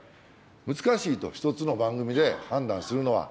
難しいと、一つの番組で判断するのは。